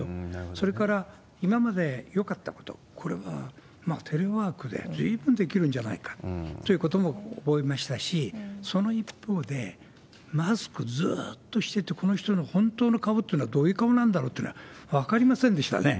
それから、今までよかったこと、これはテレワークでずいぶんできるんじゃないかということも思いましたし、その一方で、マスク、ずーっとしてて、この人の本当の顔ってのは、どういう顔なんだろうってのは分かりませんでしたね。